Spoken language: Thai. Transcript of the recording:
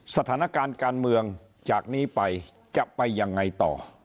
สถานการณ์การเมืองจากนี้ไปจะไปยังไงต่อ